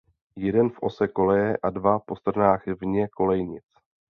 Jeden v ose koleje a dva po stranách vně kolejnic.